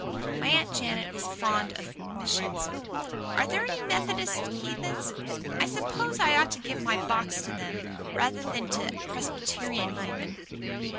My Aunt Jane was fond of missions. Are there any Methodist heathen? I s'pose I ought to give my box to them, rather than to Presbyterian heathen."